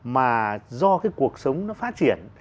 mà do cái cuộc sống nó phát triển